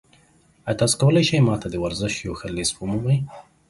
ایا تاسو کولی شئ ما ته د ورزش یو ښه لیست ومومئ؟